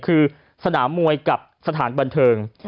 คือสนามมวยกับสถานบันเทิง